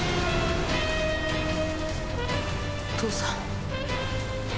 父さん。